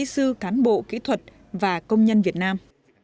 các kỹ sư cán bộ kỹ thuật và công nhân việt nam